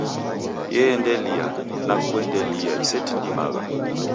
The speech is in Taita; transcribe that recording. Yeendelia, na kuendelia isetindimagha.